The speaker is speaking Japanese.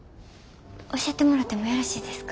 教えてもらってもよろしいですか？